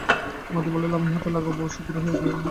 মতি বলে, আমিও হাত লাগাই বউ, শিগগির হয়ে যাবে, অ্যাঁ।